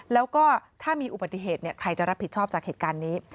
แล้วก็ถ้ามีอุบัติเหตุใครจะรับผิดชอบจากเหตุการณ์นี้